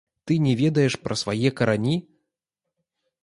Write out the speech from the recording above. Ты не ведаеш пра свае карані?